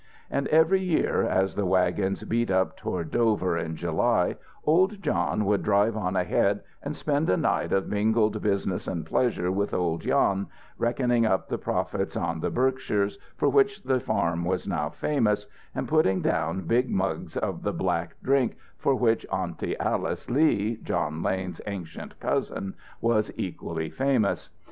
And every year, as the wagons beat up toward Dover in July, old John would drive on ahead and spend a night of mingled business and pleasure with old Jan, reckoning up the profits on the Berkshires for which the farm was now famous, and putting down big mugs of the "black drink" for which Aunty Alice Lee, John Lane's ancient cousin, was equally famous.